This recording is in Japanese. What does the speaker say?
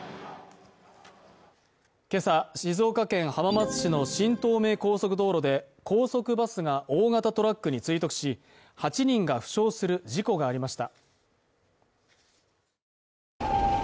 今朝、静岡県浜松市の新東名高速道路で高速バスが大型トラックに追突し８人が負傷する事故がありました。